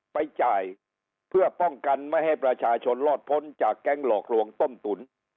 ไปจ่ายเพื่อป้องกันไม่ให้ประชาชนรอดพ้นจากแก๊งหลอกลวงต้มตุ๋น